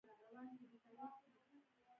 تر ډېره ځنډه ټول غلي وو.